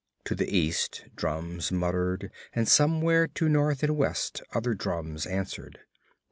To the east drums muttered and somewhere to north and west other drums answered.